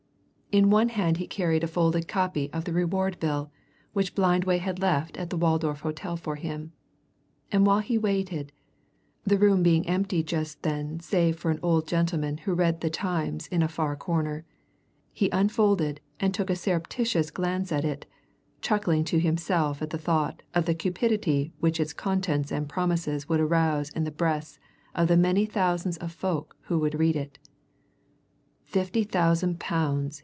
In one hand he carried a folded copy of the reward bill, which Blindway had left at the Waldorf Hotel for him, and while he waited the room being empty just then save for an old gentleman who read The Times in a far corner he unfolded and took a surreptitious glance at it, chuckling to himself at the thought of the cupidity which its contents and promises would arouse in the breasts of the many thousands of folk who would read it. "Fifty thousand pounds!"